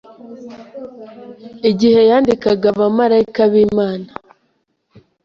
igihe yandikaga Abamarayika bimana